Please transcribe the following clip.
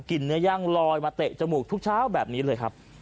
เนื้อย่างลอยมาเตะจมูกทุกเช้าแบบนี้เลยครับ